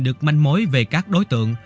được manh mối về các đối tượng